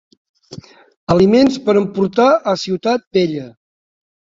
Aliments per emportar a Ciutat Vella.